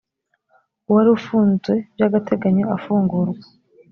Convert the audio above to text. uwari ufunze by agateganyo afungurwa